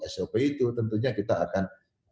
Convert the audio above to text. sop itu tentunya kita akan